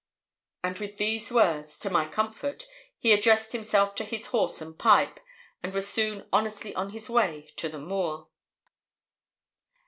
And with these words, to my comfort, he addressed himself to his horse and pipe, and was soon honestly on his way to the moor.